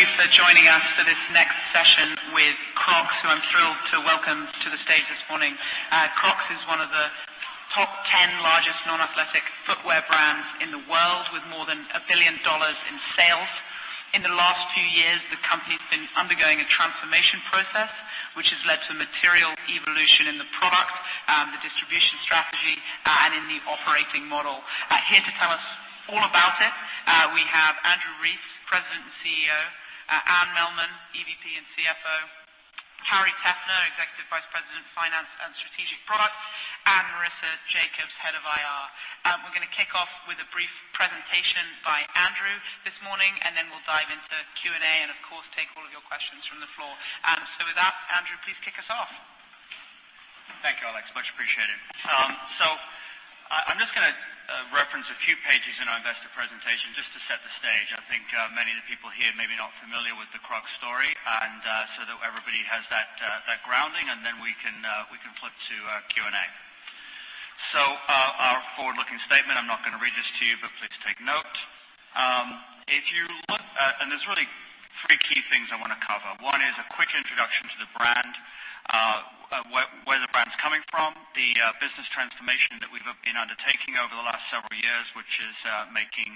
Thank you for joining us for this next session with Crocs, who I'm thrilled to welcome to the stage this morning. Crocs is one of the top 10 largest non-athletic footwear brands in the world, with more than $1 billion in sales. In the last few years, the company's been undergoing a transformation process, which has led to material evolution in the product, the distribution strategy, and in the operating model. Here to tell us all about it, we have Andrew Rees, President and CEO, Anne Mehlman, EVP and CFO, Carrie Teffner, Executive Vice President of Finance and Strategic Projects, and Marissa Jacobs Head of IR. We're going to kick off with a brief presentation by Andrew this morning, then we'll dive into Q&A, and of course, take all of your questions from the floor. With that, Andrew, please kick us off. Thank you, Alex, much appreciated. I'm just going to reference a few pages in our investor presentation just to set the stage. I think many of the people here may be not familiar with the Crocs story. That everybody has that grounding, and then we can flip to Q&A. Our forward-looking statement, I'm not going to read this to you, but please take note. There's really three key things I want to cover. One is a quick introduction to the brand, where the brand's coming from, the business transformation that we've been undertaking over the last several years, which is making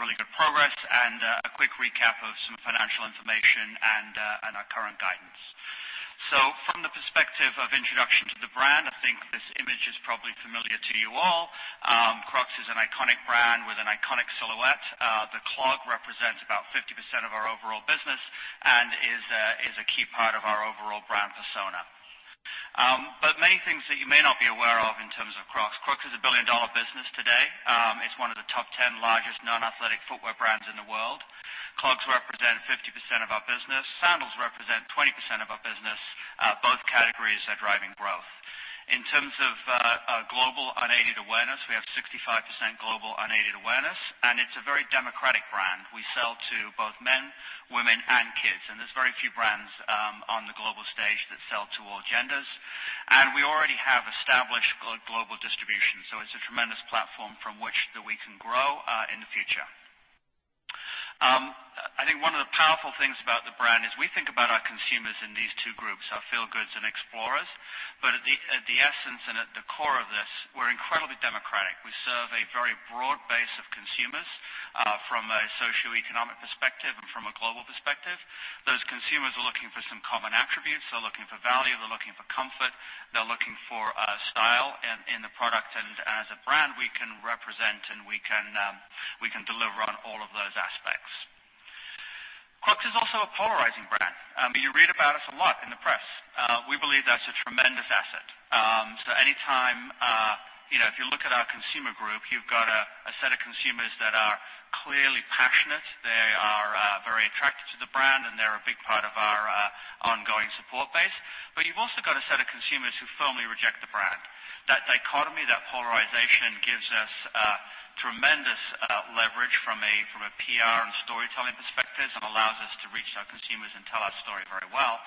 really good progress, and a quick recap of some financial information and our current guidance. From the perspective of introduction to the brand, I think this image is probably familiar to you all. Crocs is an iconic brand with an iconic silhouette. The clog represents about 50% of our overall business and is a key part of our overall brand persona. Many things that you may not be aware of in terms of Crocs. Crocs is a $1 billion business today. It's one of the top 10 largest non-athletic footwear brands in the world. Clogs represent 50% of our business. Sandals represent 20% of our business. Both categories are driving growth. In terms of our global unaided awareness, we have 65% global unaided awareness, and it's a very democratic brand. We sell to both men, women, and kids, and there's very few brands on the global stage that sell to all genders. We already have established global distribution, so it's a tremendous platform from which that we can grow in the future. I think one of the powerful things about the brand is we think about our consumers in these two groups, our Feel Goods and Explorers. At the essence and at the core of this, we're incredibly democratic. We serve a very broad base of consumers, from a socioeconomic perspective and from a global perspective. Those consumers are looking for some common attributes. They're looking for value, they're looking for comfort, they're looking for style in the product. As a brand, we can represent and we can deliver on all of those aspects. Crocs is also a polarizing brand. You read about us a lot in the press. We believe that's a tremendous asset. Anytime, if you look at our consumer group, you've got a set of consumers that are clearly passionate. They are very attracted to the brand, and they're a big part of our ongoing support base. You've also got a set of consumers who firmly reject the brand. That dichotomy, that polarization, gives us tremendous leverage from a PR and storytelling perspective and allows us to reach our consumers and tell our story very well.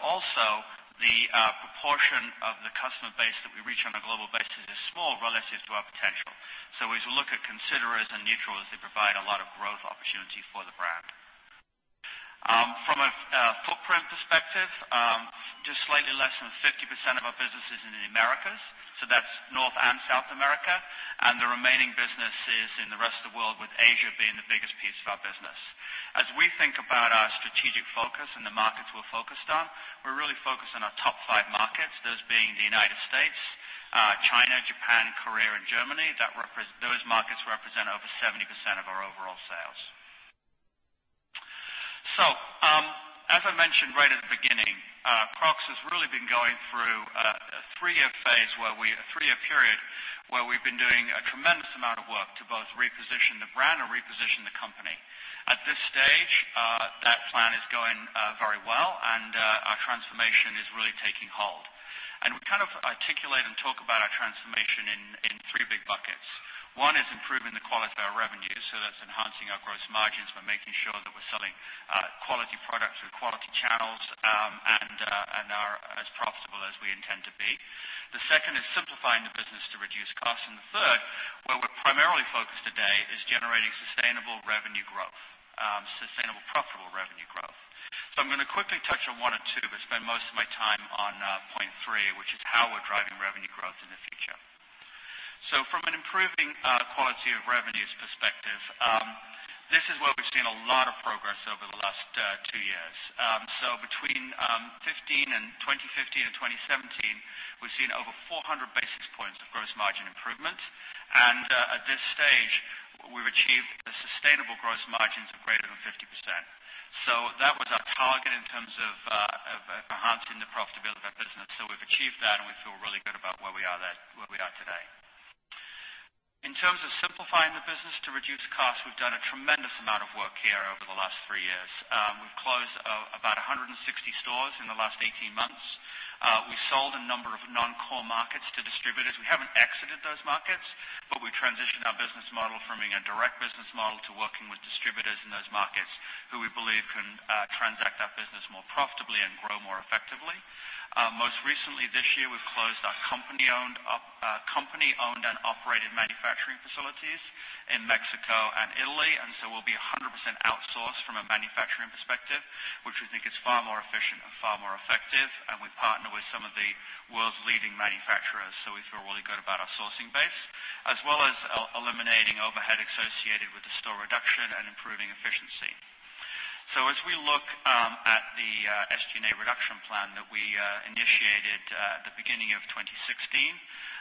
Also, the proportion of the customer base that we reach on a global basis is small relative to our potential. As we look at considerers and neutrals, they provide a lot of growth opportunity for the brand. From a footprint perspective, just slightly less than 50% of our business is in the Americas, so that's North and South America. The remaining business is in the rest of the world, with Asia being the biggest piece of our business. As we think about our strategic focus and the markets we're focused on, we're really focused on our top five markets, those being the United States, China, Japan, Korea, and Germany. Those markets represent over 70% of our overall sales. As I mentioned right at the beginning, Crocs has really been going through a three-year period where we've been doing a tremendous amount of work to both reposition the brand and reposition the company. At this stage, that plan is going very well, and our transformation is really taking hold. We articulate and talk about our transformation in three big buckets. One is improving the quality of our revenue, so that's enhancing our gross margins. We're making sure that we're selling quality products through quality channels, and are as profitable as we intend to be. The second is simplifying the business to reduce costs, the third, where we're primarily focused today, is generating sustainable profitable revenue growth. I'm going to quickly touch on one and two, but spend most of my time on point three, which is how we're driving revenue growth in the future. From an improving quality of revenues perspective, this is where we've seen a lot of progress over the last two years. Between 2015 and 2017, we've seen over 400 basis points of gross margin improvement. At this stage, we've achieved sustainable gross margins of greater than 50%. That was our target in terms of enhancing the profitability of our business. We've achieved that, and we feel really good about where we are today. In terms of simplifying the business to reduce costs, we've done a tremendous amount of work here over the last three years. We've closed about 160 stores in the last 18 months. We've sold a number of non-core markets to distributors. We haven't exited those markets, but we transitioned our business model from being a direct business model to working with distributors in those markets who we believe can transact our business more profitably and grow more effectively. Most recently this year, we've closed our company-owned and operated manufacturing facilities in Mexico and Italy. So we'll be 100% outsourced from a manufacturing perspective, which we think is far more efficient and far more effective. We partner with some of the world's leading manufacturers, so we feel really good about our sourcing base, as well as eliminating overhead associated with the store reduction and improving efficiency. As we look at the SG&A reduction plan that we initiated at the beginning of 2016,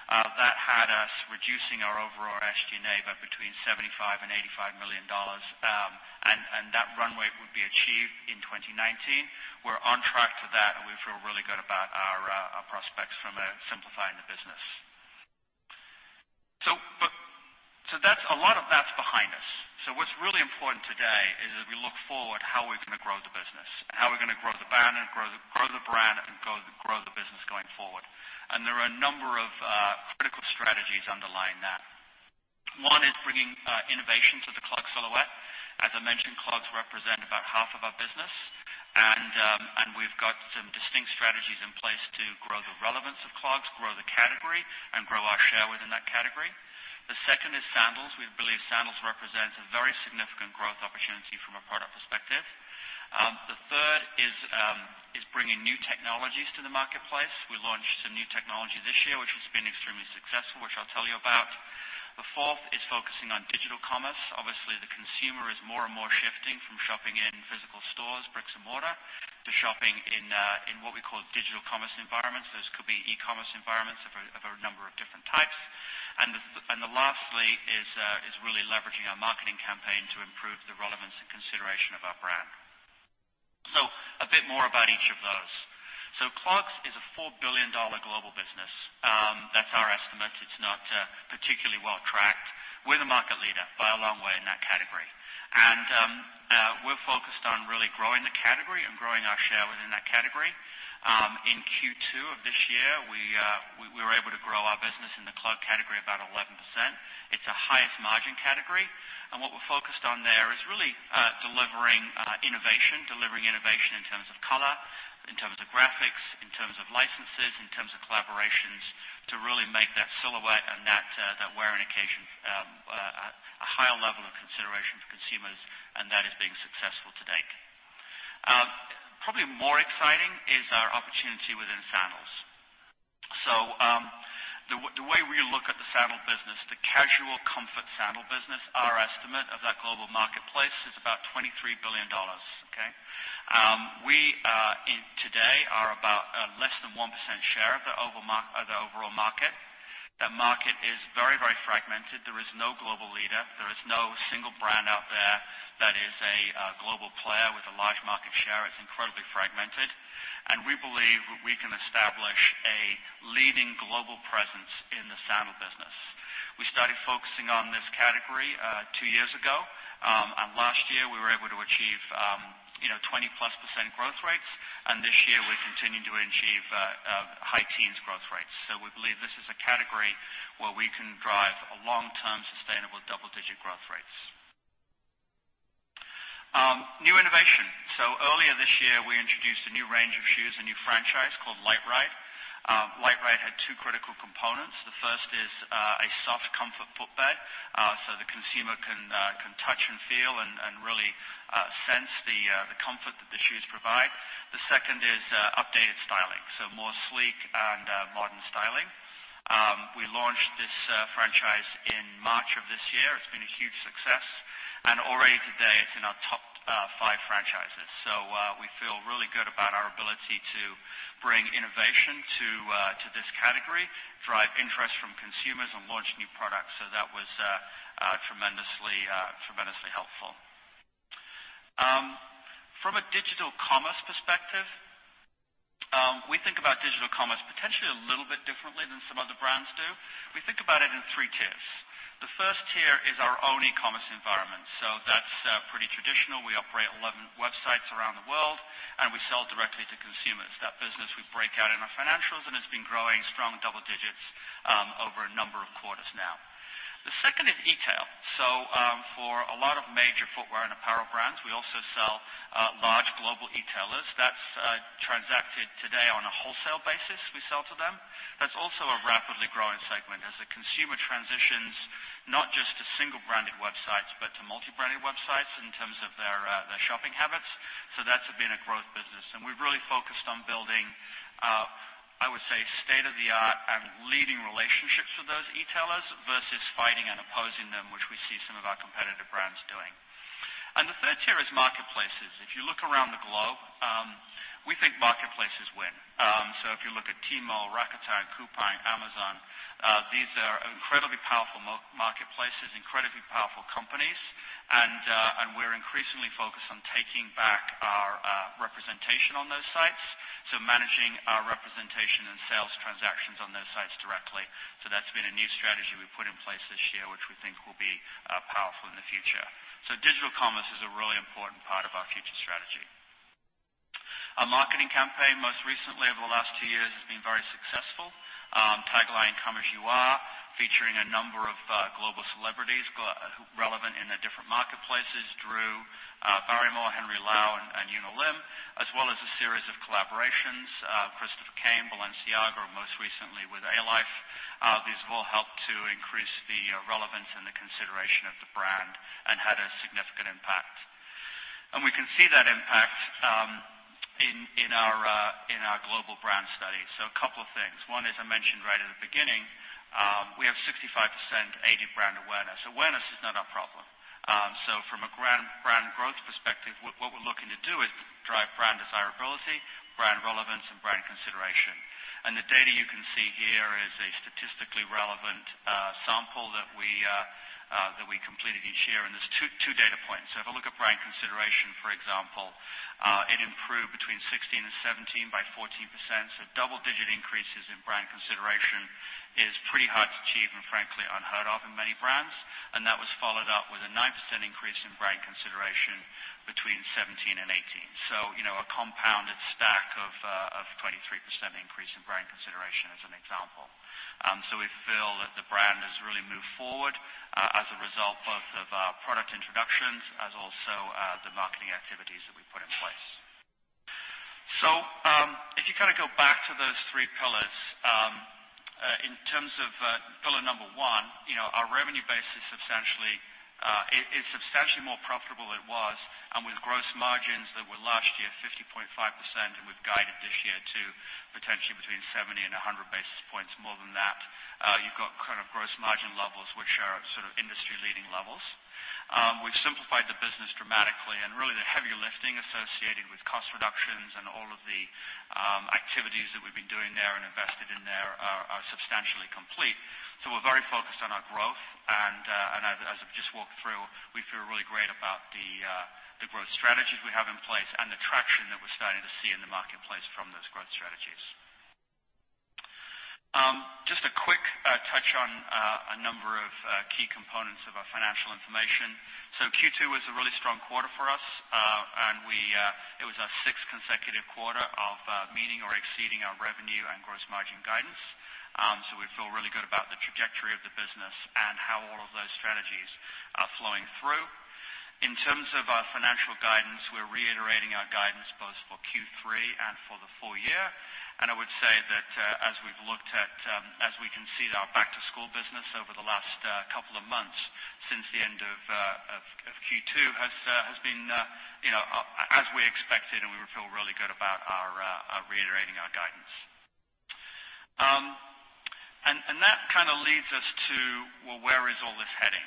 that had us reducing our overall SG&A by between $75 million and $85 million. That runway would be achieved in 2019. We're on track for that, and we feel really good about our prospects from simplifying the business. A lot of that's behind us. What's really important today is that we look forward how we're going to grow the business, how we're going to grow the brand and grow the business going forward. There are a number of critical strategies underlying that. One is bringing innovation to the clogs silhouette. As I mentioned, clogs represent about half of our business. We've got some distinct strategies in place to grow the relevance of clogs, grow the category, and grow our share within that category. The second is sandals. We believe sandals represents a very significant growth opportunity from a product perspective. The third is bringing new technologies to the marketplace. We launched some new technology this year, which has been extremely successful, which I'll tell you about. The fourth is focusing on digital commerce. Obviously, the consumer is more and more shifting from shopping in physical stores, bricks and mortar, to shopping in what we call digital commerce environments. Those could be e-commerce environments of a number of different types. Lastly is really leveraging our marketing campaign to improve the relevance and consideration of our brand. A bit more about each of those. Clogs is a $4 billion global business. That's our estimate. It's not particularly well tracked. We're the market leader by a long way in that category. We're focused on really growing the category and growing our share within that category. In Q2 of this year, we were able to grow our business in the clog category about 11%. It's the highest margin category, what we're focused on there is really delivering innovation, delivering innovation in terms of color, in terms of graphics, in terms of licenses, in terms of collaborations, to really make that silhouette and that wear occasion, a higher level of consideration for consumers, and that is being successful to date. Probably more exciting is our opportunity within sandals. The way we look at the sandal business, the casual comfort sandal business, our estimate of that global marketplace is about $23 billion, okay? We today are about less than 1% share of the overall market. That market is very fragmented. There is no global leader. There is no single brand out there that is a global player with a large market share. It's incredibly fragmented, we believe we can establish a leading global presence in the sandal business. We started focusing on this category two years ago, last year we were able to achieve 20%+ growth rates, this year we're continuing to achieve high teens growth rates. We believe this is a category where we can drive long-term sustainable double-digit growth rates. New innovation. Earlier this year, we introduced a new range of shoes, a new franchise called LiteRide. LiteRide had two critical components. The first is a soft comfort footbed, so the consumer can touch and feel and really sense the comfort that the shoes provide. The second is updated styling, so more sleek and modern styling. We launched this franchise in March of this year. It's been a huge success, already today it's in our top five franchises. We feel really good about our ability to bring innovation to this category, drive interest from consumers, and launch new products. That was tremendously helpful. From a digital commerce perspective, we think about digital commerce potentially a little bit differently than some other brands do. We think about it in three tiers. The first tier is our own e-commerce environment. That's pretty traditional. We operate 11 websites around the world, and we sell directly to consumers. That business we break out in our financials, and it's been growing strong double digits over a number of quarters now. The second is e-tail. For a lot of major footwear and apparel brands, we also sell large global e-tailers. That's transacted today on a wholesale basis. We sell to them. That's also a rapidly growing segment as the consumer transitions not just to single-branded websites, but to multi-branded websites in terms of their shopping habits. That's been a growth business, and we've really focused on building, I would say, state-of-the-art and leading relationships with those e-tailers versus fighting and opposing them, which we see some of our competitive brands doing. The third tier is marketplaces. If you look around the globe, we think marketplaces win. If you look at Tmall, Rakuten, Coupang, Amazon, these are incredibly powerful marketplaces, incredibly powerful companies. We're increasingly focused on taking back our representation on those sites. Managing our representation and sales transactions on those sites directly. That's been a new strategy we put in place this year, which we think will be powerful in the future. Digital commerce is a really important part of our future strategy. Our marketing campaign, most recently over the last two years Been very successful. Tagline, Come As You Are, featuring a number of global celebrities relevant in the different marketplaces, Drew Barrymore, Henry Lau, and Im Yoon-ah, as well as a series of collaborations, Christopher Kane, Balenciaga, or most recently with Alife. These have all helped to increase the relevance and the consideration of the brand and had a significant impact. We can see that impact in our global brand study. A couple of things. One, as I mentioned right at the beginning, we have 65% aided brand awareness. Awareness is not our problem. From a brand growth perspective, what we're looking to do is drive brand desirability, brand relevance, and brand consideration. The data you can see here is a statistically relevant sample that we completed each year. There's two data points. If I look at brand consideration, for example, it improved between 2016 and 2017 by 14%. Double-digit increases in brand consideration is pretty hard to achieve and frankly unheard of in many brands. That was followed up with a 9% increase in brand consideration between 2017 and 2018. A compounded stack of 23% increase in brand consideration as an example. We feel that the brand has really moved forward, as a result, both of our product introductions as also the marketing activities that we put in place. If you go back to those three pillars, in terms of pillar number one, our revenue base is substantially more profitable than it was, and with gross margins that were last year 50.5%, and we've guided this year to potentially between 70 and 100 basis points more than that. You've got gross margin levels which are industry-leading levels. We've simplified the business dramatically. The heavier lifting associated with cost reductions and all of the activities that we've been doing there and invested in there are substantially complete. We're very focused on our growth, and as I've just walked through, we feel really great about the growth strategies we have in place and the traction that we're starting to see in the marketplace from those growth strategies. Just a quick touch on a number of key components of our financial information. Q2 was a really strong quarter for us. It was our sixth consecutive quarter of meeting or exceeding our revenue and gross margin guidance. We feel really good about the trajectory of the business and how all of those strategies are flowing through. In terms of our financial guidance, we're reiterating our guidance both for Q3 and for the full year. I would say that as we can see, our back-to-school business over the last couple of months since the end of Q2 has been as we expected. We feel really good about reiterating our guidance. That leads us to, well, where is all this heading?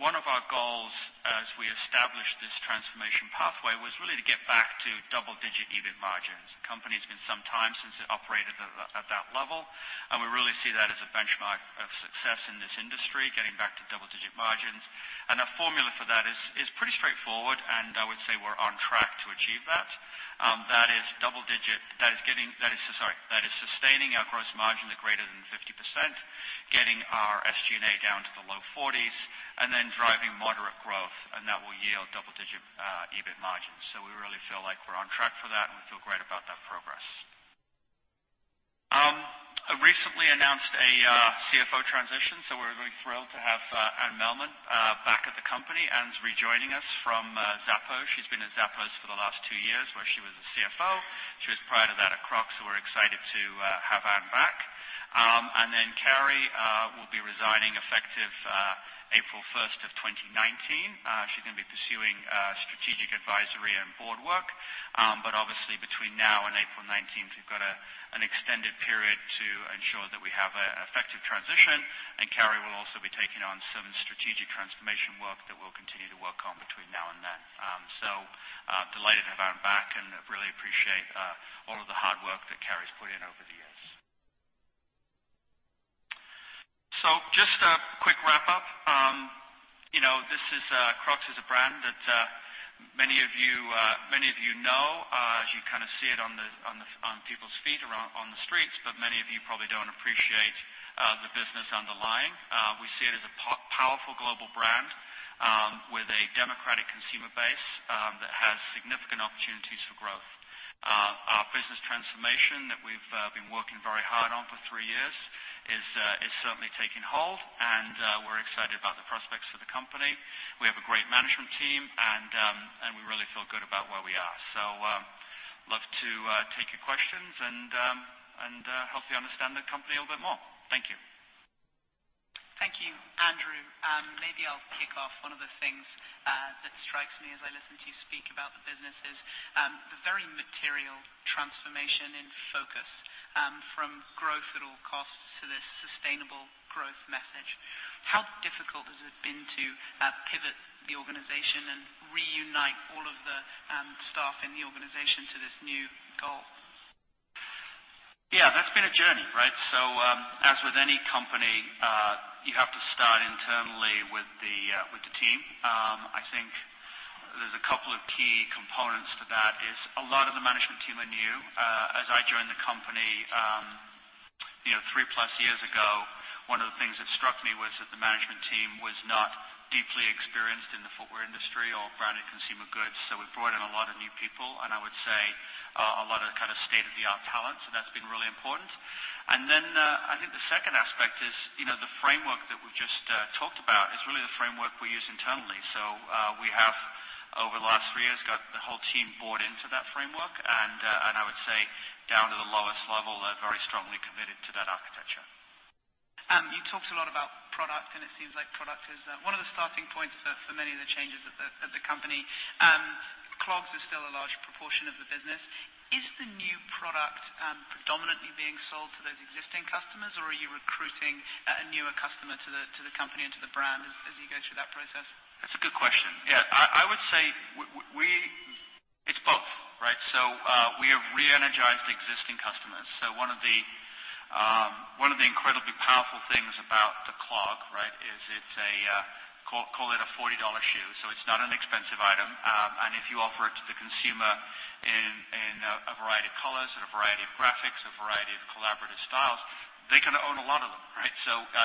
One of our goals as we established this transformation pathway was really to get back to double-digit EBIT margins. Company's been some time since it operated at that level. We really see that as a benchmark of success in this industry, getting back to double-digit margins. Our formula for that is pretty straightforward, and I would say we're on track to achieve that. That is sustaining our gross margin to greater than 50%, getting our SG&A down to the low 40s, and then driving moderate growth, and that will yield double-digit EBIT margins. We really feel like we're on track for that, and we feel great about that progress. I recently announced a CFO transition. We're really thrilled to have Anne Mehlman back at the company. Anne's rejoining us from Zappos. She's been at Zappos for the last 2 years, where she was the CFO. She was, prior to that, at Crocs. We're excited to have Anne back. Carrie will be resigning effective April 1st of 2019. She's going to be pursuing strategic advisory and board work. Obviously, between now and April 19th, we've got an extended period to ensure that we have an effective transition. Carrie will also be taking on some strategic transformation work that we'll continue to work on between now and then. Delighted to have Anne back, and really appreciate all of the hard work that Carrie's put in over the years. Just a quick wrap-up. Crocs is a brand that many of you know as you see it on people's feet on the streets, but many of you probably don't appreciate the business underlying. We see it as a powerful global brand with a democratic consumer base that has significant opportunities for growth. Our business transformation that we've been working very hard on for three years is certainly taking hold. We're excited about the prospects for the company. We have a great management team, and we really feel good about where we are. Love to take your questions and help you understand the company a little bit more. Thank you. Thank you, Andrew. Maybe I'll kick off. One of the things that strikes me as I listen to you speak about the business is the very material transformation in focus from growth at all costs to this sustainable growth message. How difficult has it been to pivot the organization and reunite all of the staff in the organization to this new goal? That's been a journey, right? As with any company, you have to start internally with the team. I think there's a couple of key components to that is a lot of the management team are new. As I joined the company 3-plus years ago, one of the things that struck me was that the management team was not deeply experienced in the footwear industry or branded consumer goods. We brought in a lot of new people, and I would say, a lot of state-of-the-art talent. That's been really important. Then I think the second aspect is, the framework that we've just talked about is really the framework we use internally. We have, over the last three years, got the whole team bought into that framework. I would say, down to the lowest level, they're very strongly committed to that architecture. You talked a lot about product, and it seems like product is one of the starting points for many of the changes at the company. Clogs are still a large proportion of the business. Is the new product predominantly being sold to those existing customers, or are you recruiting a newer customer to the company and to the brand as you go through that process? That's a good question. Yeah. I would say it's both, right? We have re-energized existing customers. One of the incredibly powerful things about the clog is, call it a $40 shoe, it's not an expensive item. If you offer it to the consumer in a variety of colors and a variety of graphics, a variety of collaborative styles, they can own a lot of them, right?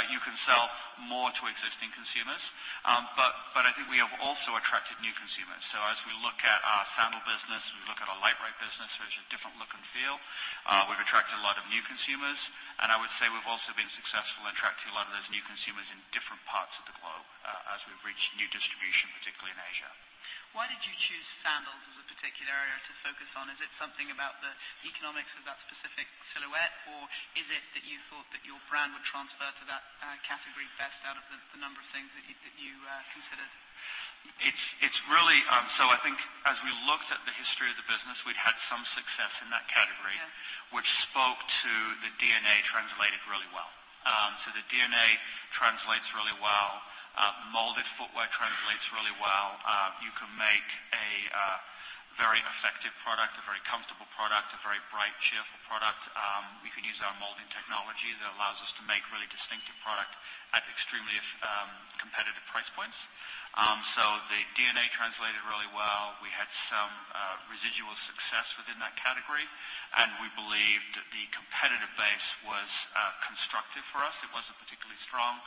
You can sell more to existing consumers. I think we have also attracted new consumers. As we look at our sandal business, we look at our LiteRide business, there's a different look and feel. We've attracted a lot of new consumers. I would say we've also been successful in attracting a lot of those new consumers in different parts of the globe as we've reached new distribution, particularly in Asia. Why did you choose sandals as a particular area to focus on? Is it something about the economics of that specific silhouette, or is it that you thought that your brand would transfer to that category best out of the number of things that you considered? I think as we looked at the history of the business, we'd had some success in that category. Yeah. Which spoke to the DNA translating really well. The DNA translates really well. Molded footwear translates really well. You can make a very effective product, a very comfortable product, a very bright, cheerful product. We can use our molding technology that allows us to make really distinctive product at extremely competitive price points. The DNA translated really well. We had some residual success within that category, we believed the competitive base was constructive for us. It wasn't particularly strong,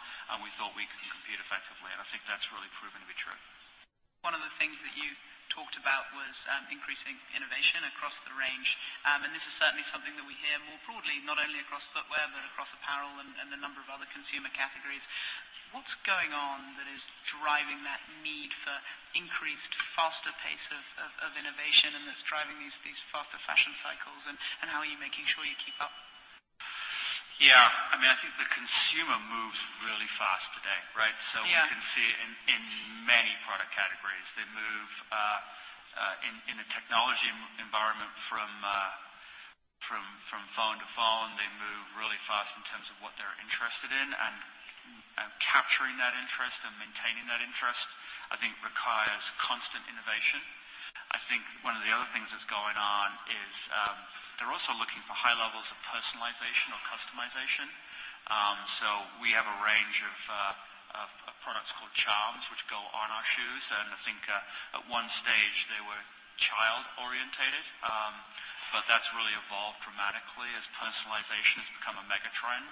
we thought we could compete effectively. I think that's really proven to be true. One of the things that you talked about was increasing innovation across the range. This is certainly something that we hear more broadly, not only across footwear, but across apparel and a number of other consumer categories. What's going on that is driving that need for increased, faster pace of innovation, and that's driving these faster fashion cycles, and how are you making sure you keep up? Yeah. I think the consumer moves really fast today, right? Yeah. We can see it in many product categories. They move, in a technology environment from phone to phone. They move really fast in terms of what they're interested in. Capturing that interest and maintaining that interest, I think, requires constant innovation. I think one of the other things that's going on is, they're also looking for high levels of personalization or customization. We have a range of products called Jibbitz, which go on our shoes, and I think at stage 1 they were child-oriented. That's really evolved dramatically as personalization has become a mega trend.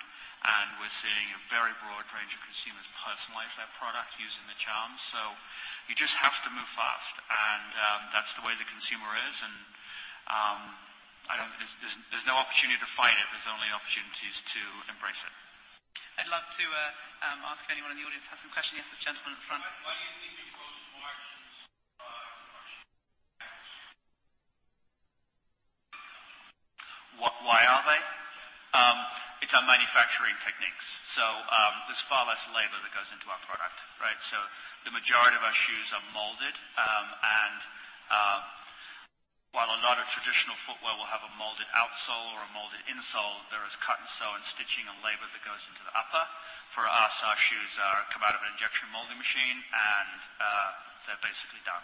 We're seeing a very broad range of consumers personalize their product using the Jibbitz. You just have to move fast, and that's the way the consumer is. There's no opportunity to fight it. There's only opportunities to embrace it. I'd love to ask if anyone in the audience has some questions. Yes, the gentleman in front. Why do you think your gross margins are so much? Why are they? Yeah. It's our manufacturing techniques. There's far less labor that goes into our product, right? The majority of our shoes are molded. While a lot of traditional footwear will have a molded outsole or a molded insole, there is cut and sew and stitching and labor that goes into the upper. For us, our shoes come out of an injection molding machine, and they're basically done.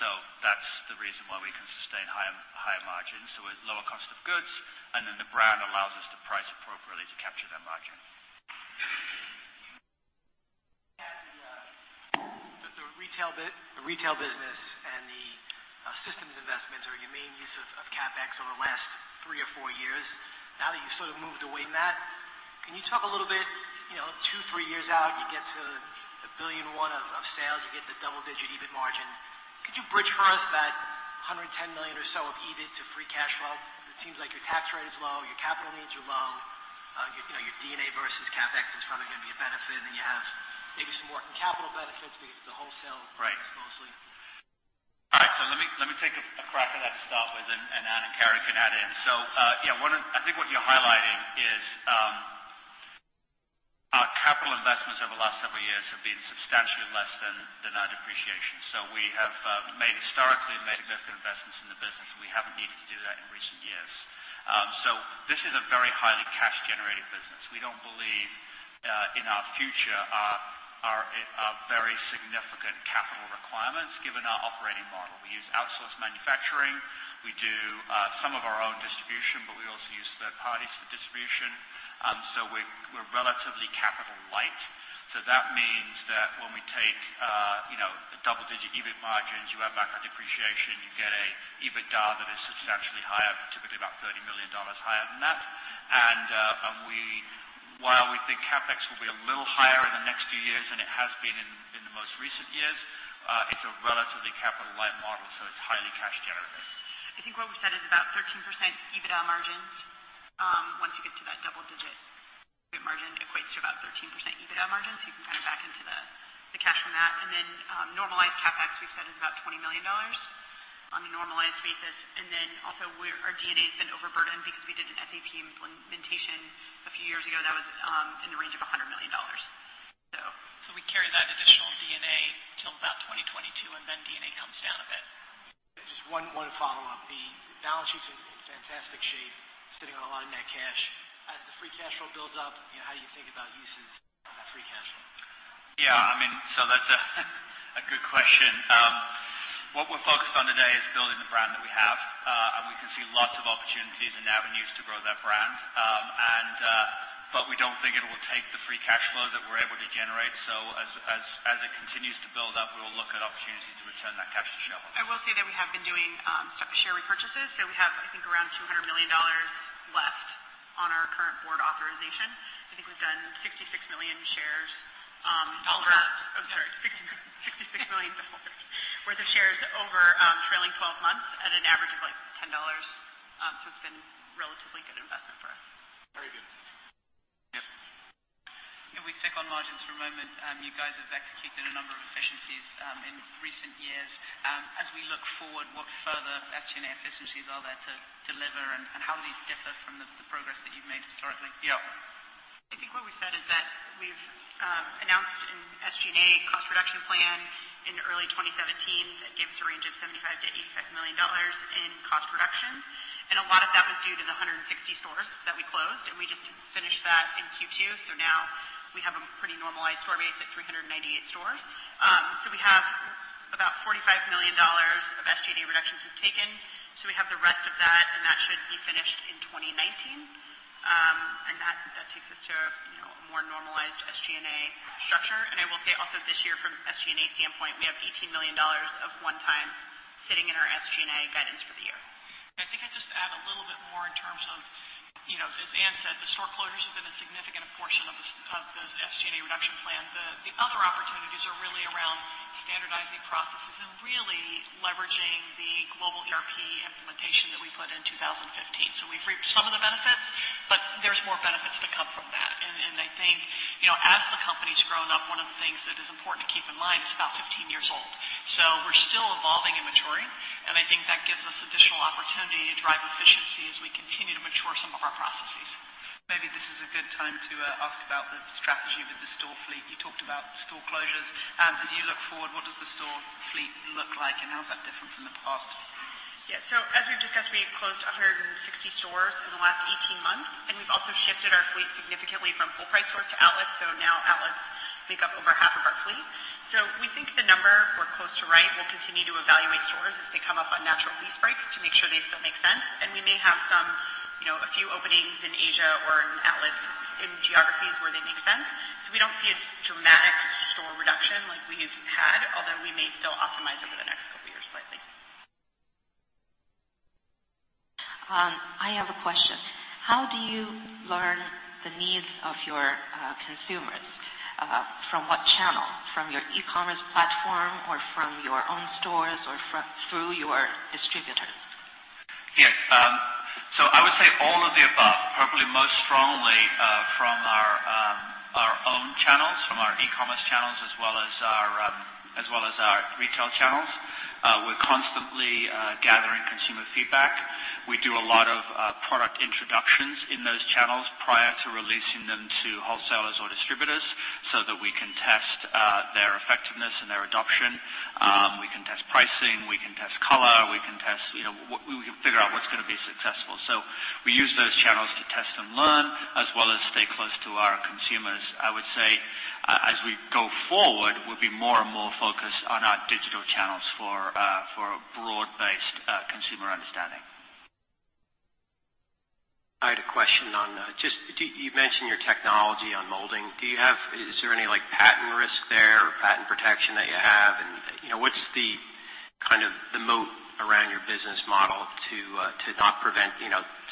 That's the reason why we can sustain higher margins with lower cost of goods. The brand allows us to price appropriately to capture that margin. The retail business and the systems investments are your main use of CapEx over the last three or four years. Now that you've sort of moved away from that, can you talk a little bit, two, three years out, you get to $1.1 billion of sales, you get to double-digit EBIT margin. Could you bridge for us that $110 million or so of EBIT to free cash flow? It seems like your tax rate is low, your capital needs are low. Your D&A versus CapEx is probably going to be a benefit, then you have maybe some working capital benefits because the wholesale- Right mostly. All right. Let me take a crack at that to start with, and Anne or Carrie can add in. Yeah, I think what you're highlighting is our capital investments over the last several years have been substantially less than our depreciation. We have historically made significant investments in the business. We haven't needed to do that in recent years. This is a very highly cash-generating business. We don't believe, in our future, are very significant capital requirements given our operating model. We use outsourced manufacturing. We do some of our own distribution, but we also use third parties for distribution. We're relatively capital light. That means that when we take double-digit EBIT margins, you add back our depreciation, you get an EBITDA that is substantially higher, typically about $30 million higher than that. While we think CapEx will be a little higher in the next few years than it has been in the most recent years, it's a relatively capital-light model, so it's highly cash generative. I think what we said is about 13% EBITDA margins. Once you get to that double-digit EBIT margin, it equates to about 13% EBITDA margins. You can back into the cash from that. Normalized CapEx, we've said, is about $20 million on the normalized basis. Also our D&A has been overburdened because we did an SAP implementation a few years ago that was in the range of $100 million. We carry that additional D&A till about 2022, and then D&A comes down a bit. Just one follow-up. The balance sheet's in fantastic shape, sitting on a lot of net cash. As the free cash flow builds up, how do you think about uses of that free cash flow? Yeah. That's a good question. What we're focused on today is building the brand that we have. We can see lots of opportunities and avenues to grow that brand. We don't think it will take the free cash flow that we're able to generate. As it continues to build up, we will look at opportunities to return that cash to shareholders. I will say that we have been doing share repurchases. We have, I think, around $200 million left on our current board authorization. I think we've done $66 million worth of shares over trailing 12 months at an average of $10. It's been a relatively good investment for us. Very good. Yes. If we pick on margins for a moment, you guys have executed a number of efficiencies in recent years. As we look forward, what further SG&A efficiencies are there to deliver, and how do these differ from the progress that you've made historically? Yeah. I think what we said is that we've announced an SG&A cost reduction plan in early 2017 that gives a range of $75 million-$85 million in cost reductions. A lot of that was due to the 160 stores that we closed, and we just finished that in Q2. Now we have a pretty normalized store base at 398 stores. We have about $45 million of SG&A reductions we've taken. We have the rest of that, and that should be finished in 2019. That takes us to a more normalized SG&A structure. I will say also this year from an SG&A standpoint, we have $18 million of one-time sitting in our SG&A guidance for the year. I think I'd just add a little bit more in terms of, as Anne said, the store closures have been a significant portion of the SG&A reduction plan. The other opportunities are really around standardizing processes and really leveraging the global ERP implementation that we put in 2015. We've reaped some of the benefits, but there's more benefits to come from that. I think, as the company's grown up, one of the things that is important to keep in mind is it's about 15 years old. We're still evolving and maturing, and I think that gives us additional opportunity to drive efficiency as we continue to mature some of our processes. Maybe this is a good time to ask about the strategy with the store fleet. You talked about store closures. As you look forward, what does the store fleet look like, and how is that different from the past? Yeah. As we've discussed, we've closed 160 stores in the last 18 months, and we've also shifted our fleet significantly from full-price stores to outlets. Now outlets make up over half of our fleet. We think the number we're close to right. We'll continue to evaluate stores as they come up on natural lease breaks to make sure they still make sense. We may have a few openings in Asia or in outlets in geographies where they make sense. We don't see a dramatic store reduction like we have had, although we may still optimize over the next couple of years slightly. I have a question. How do you learn the needs of your consumers? From what channel? From your e-commerce platform, or from your own stores, or through your distributors? Yeah. I would say all of the above, probably most strongly from our own channels, from our e-commerce channels, as well as our retail channels. We're constantly gathering consumer feedback. We do a lot of product introductions in those channels prior to releasing them to wholesalers or distributors so that we can test their effectiveness and their adoption. We can test pricing. We can test color. We can figure out what's going to be successful. We use those channels to test and learn, as well as stay close to our consumers. I would say, as we go forward, we'll be more and more focused on our digital channels for a broad-based consumer understanding. I had a question on, just you mentioned your technology on molding. Is there any patent risk there or patent protection that you have? What's the moat around your business model to not prevent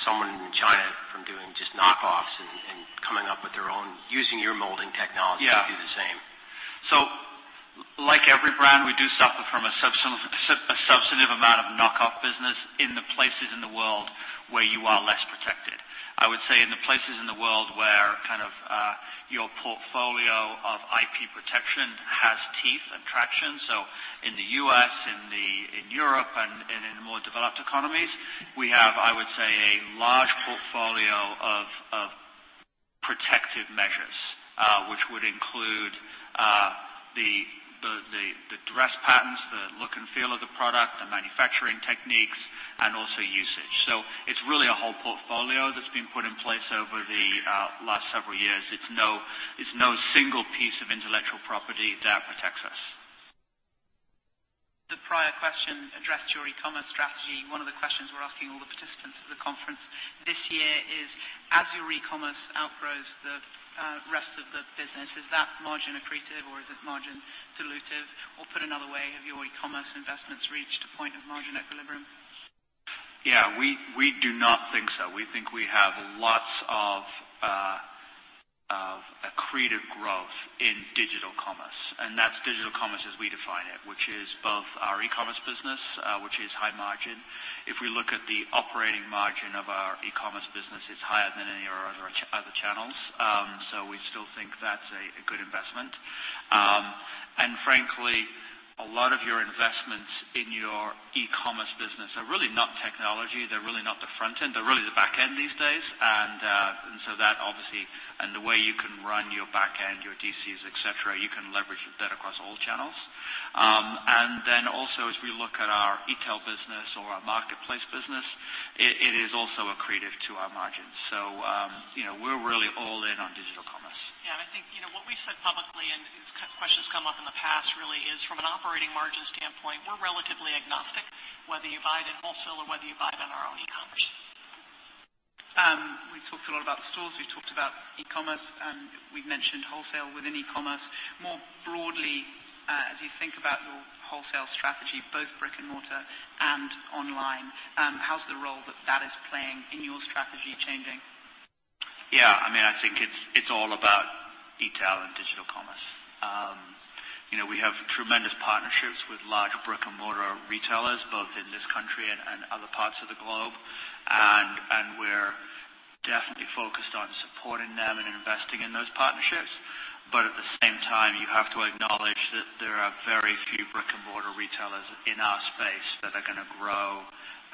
someone in China from doing just knock-offs and coming up with their own, using your molding technology to do the same? Yeah. Like every brand, we do suffer from a substantive amount of knock-off business in the places in the world where you are less protected. I would say in the places in the world where your portfolio of IP protection has teeth and traction, in the U.S., in Europe, and in more developed economies, we have, I would say, a large portfolio of protective measures, which would include the dress patents, the look and feel of the product, the manufacturing techniques, and also usage. It's really a whole portfolio that's been put in place over the last several years. It's no single piece of intellectual property that protects us. question addressed your e-commerce strategy. One of the questions we're asking all the participants at the conference this year is, as your e-commerce outgrows the rest of the business, is that margin accretive or is it margin dilutive? Put another way, have your e-commerce investments reached a point of margin equilibrium? Yeah, we do not think so. We think we have lots of accretive growth in digital commerce, that's digital commerce as we define it, which is both our e-commerce business, which is high margin. If we look at the operating margin of our e-commerce business, it's higher than any of our other channels. We still think that's a good investment. Frankly, a lot of your investments in your e-commerce business are really not technology. They're really not the front end. They're really the back end these days. That obviously, and the way you can run your back end, your DCs, et cetera, you can leverage that across all channels. Then also as we look at our e-tail business or our marketplace business, it is also accretive to our margins. We're really all in on digital commerce. Yeah, I think, what we've said publicly and questions come up in the past really is from an operating margin standpoint, we're relatively agnostic whether you buy it in wholesale or whether you buy it on our own e-commerce. We've talked a lot about the stores, we've talked about e-commerce, and we've mentioned wholesale within e-commerce. More broadly, as you think about your wholesale strategy, both brick and mortar and online, how's the role that is playing in your strategy changing? Yeah, I think it's all about e-tail and digital commerce. We have tremendous partnerships with large brick and mortar retailers, both in this country and other parts of the globe. We're definitely focused on supporting them and investing in those partnerships. At the same time, you have to acknowledge that there are very few brick and mortar retailers in our space that are going to grow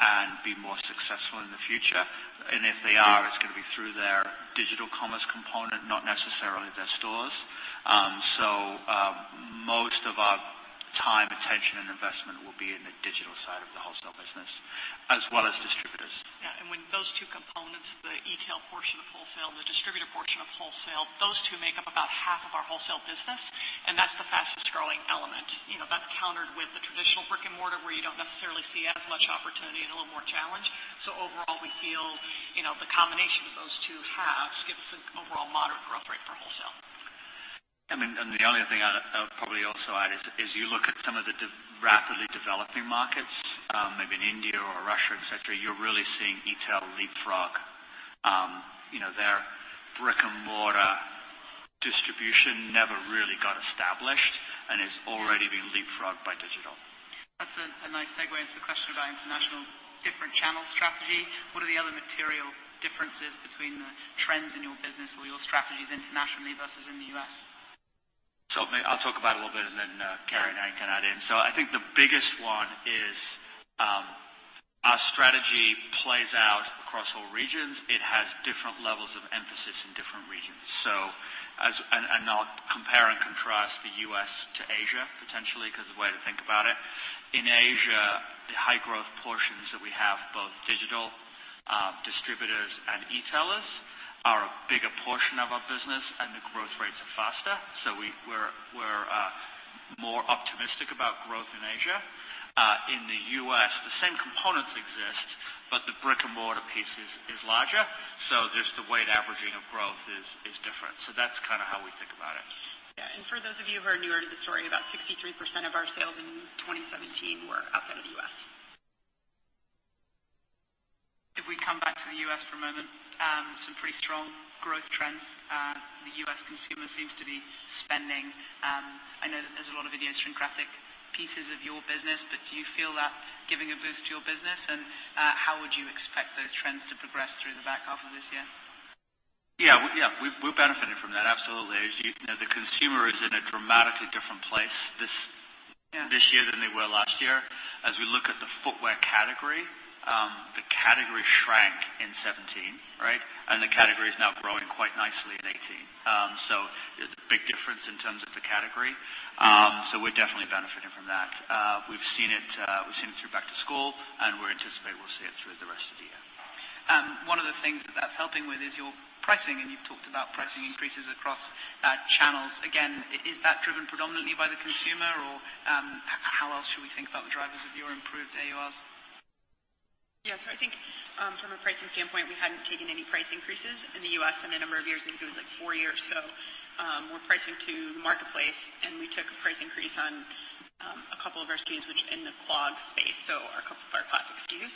and be more successful in the future. If they are, it's going to be through their digital commerce component, not necessarily their stores. Most of our time, attention, and investment will be in the digital side of the wholesale business as well as distributors. Yeah. When those two components, the e-tail portion of wholesale, the distributor portion of wholesale, those two make up about half of our wholesale business, and that's the fastest growing element. That's countered with the traditional brick and mortar where you don't necessarily see as much opportunity and a little more challenge. Overall, we feel, the combination of those two halves gives us an overall moderate growth rate for wholesale. The only other thing I would probably also add is you look at some of the rapidly developing markets, maybe in India or Russia, et cetera. You're really seeing e-tail leapfrog. Their brick and mortar distribution never really got established and is already being leapfrogged by digital. That's a nice segue into the question about international different channel strategy. What are the other material differences between the trends in your business or your strategies internationally versus in the U.S.? Maybe I'll talk about it a little bit, and then Carrie and Anne can add in. I think the biggest one is our strategy plays out across all regions. It has different levels of emphasis in different regions. I'll compare and contrast the U.S. to Asia, potentially, because the way to think about it. In Asia, the high growth portions that we have, both digital distributors and e-tailers, are a bigger portion of our business and the growth rates are faster. We're more optimistic about growth in Asia. In the U.S., the same components exist, but the brick and mortar piece is larger. Just the weight averaging of growth is different. That's how we think about it. Yeah. For those of you who are newer to the story, about 63% of our sales in 2017 were outside of the U.S. If we come back to the U.S. for a moment, some pretty strong growth trends. The U.S. consumer seems to be spending. I know that there's a lot of idiosyncratic pieces of your business. Do you feel that giving a boost to your business and how would you expect those trends to progress through the back half of this year? We're benefiting from that, absolutely. The consumer is in a dramatically different place this year than they were last year. As we look at the footwear category, the category shrank in 2017. The category is now growing quite nicely in 2018. There's a big difference in terms of the category. We're definitely benefiting from that. We've seen it through back to school, and we anticipate we'll see it through the rest of the year. One of the things that's helping with is your pricing. You've talked about pricing increases across channels. Again, is that driven predominantly by the consumer, or how else should we think about the drivers of your improved AURs? I think from a pricing standpoint, we hadn't taken any price increases in the U.S. in a number of years, I think it was four years or so. We're pricing to marketplace. We took a price increase on a couple of our SKUs in the clog space, a couple of our classic SKUs.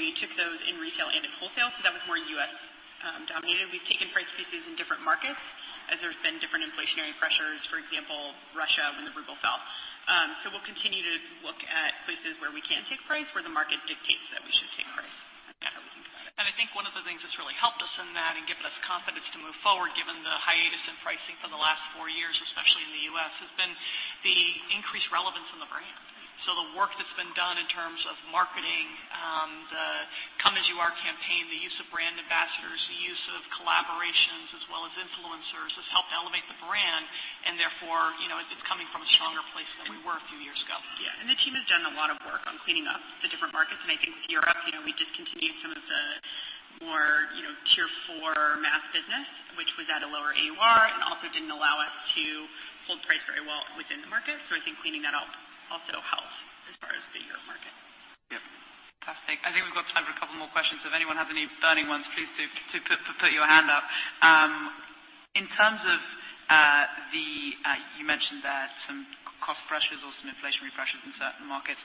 We took those in retail and in wholesale, that was more U.S. dominated. We've taken price increases in different markets as there's been different inflationary pressures. For example, Russia when the ruble fell. We'll continue to look at places where we can take price, where the market dictates that we should take price. That's how we think about it. I think one of the things that's really helped us in that and given us confidence to move forward, given the hiatus in pricing for the last four years, especially in the U.S., has been the increased relevance in the brand. The work that's been done in terms of marketing, the Come As You Are campaign, the use of brand ambassadors, the use of collaborations as well as influencers, has helped elevate the brand and therefore, it's coming from a stronger place than we were a few years ago. The team has done a lot of work on cleaning up the different markets. I think with Europe, we discontinued some of the More tier 4 mass business, which was at a lower AUR and also didn't allow us to hold price very well within the market. I think cleaning that up also helps as far as the year market. Fantastic. I think we've got time for a couple more questions. If anyone has any burning ones, please do put your hand up. You mentioned that some cost pressures or some inflationary pressures in certain markets.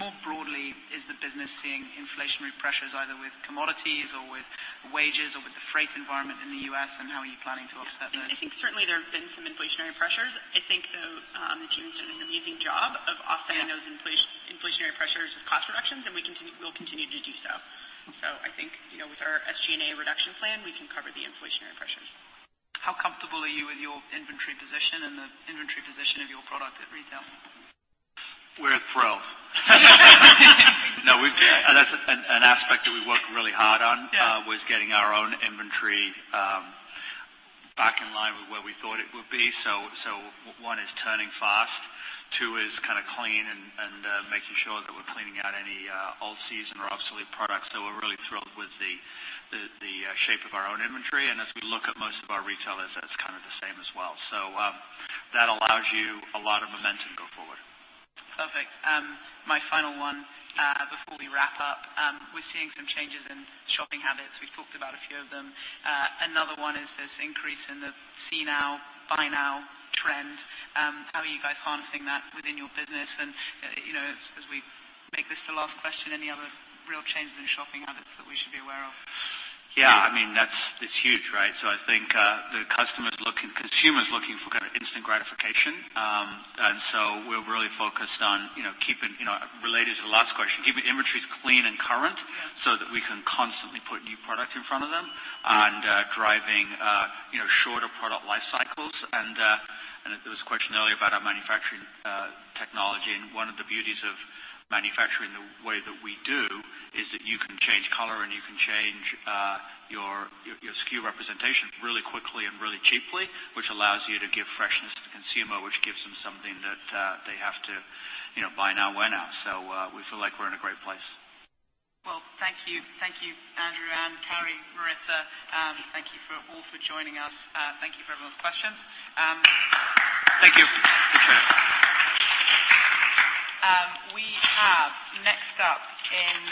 More broadly, is the business seeing inflationary pressures either with commodities or with wages or with the freight environment in the U.S., and how are you planning to offset those? I think certainly there have been some inflationary pressures. I think, though, the team's done an amazing job of offsetting those inflationary pressures with cost reductions, and we'll continue to do so. I think, with our SG&A reduction plan, we can cover the inflationary pressures. How comfortable are you with your inventory position and the inventory position of your product at retail? We're thrilled. That's an aspect that we worked really hard on. Yeah That was getting our own inventory back in line with where we thought it would be. One, is turning fast. Two, is clean and making sure that we're cleaning out any old season or obsolete products. We're really thrilled with the shape of our own inventory, and as we look at most of our retailers, that's kind of the same as well. That allows you a lot of momentum go forward. Perfect. My final one before we wrap up. We're seeing some changes in shopping habits. We've talked about a few of them. Another one is this increase in the see now, buy now trend. How are you guys harnessing that within your business? As we make this the last question, any other real changes in shopping habits that we should be aware of? Yeah, it's huge, right? I think the consumer's looking for instant gratification. We're really focused on, related to the last question, keeping inventories clean and current. Yeah We can constantly put new product in front of them and driving shorter product life cycles. There was a question earlier about our manufacturing technology, and one of the beauties of manufacturing the way that we do is that you can change color and you can change your SKUs representation really quickly and really cheaply, which allows you to give freshness to the consumer, which gives them something that they have to buy now, wear now. We feel like we're in a great place. Well, thank you. Thank you, Andrew and Carrie, Marissa. Thank you all for joining us. Thank you for everyone's questions. Thank you. We have next up.